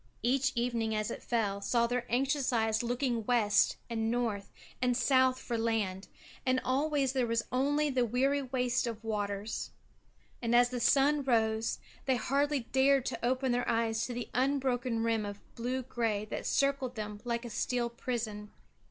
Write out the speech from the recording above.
Each evening as it fell saw their anxious eyes looking west and north and south for land, and always there was only the weary waste of waters. And as the sun rose, they hardly dared open their eyes to the unbroken rim of blue grey that circled them like a steel prison.